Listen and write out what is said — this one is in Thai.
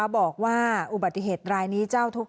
บอกว่าอุบัติเหตุรายนี้เจ้าทุกข์